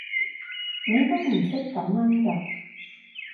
你都唔識感恩嘅